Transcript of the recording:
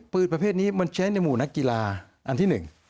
ประเภทนี้มันใช้ในหมู่นักกีฬาอันที่๑